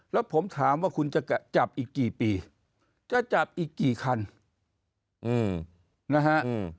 แล้วผมถามว่าคุณจะจับอีกกี่ปีจะจับอีกกี่คันนะฮะ